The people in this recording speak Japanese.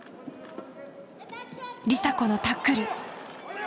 梨紗子のタックル。